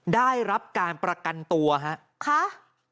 ได้รับการประกันตัวครับ